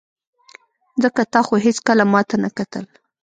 ځکه تا خو هېڅکله ماته نه کتل.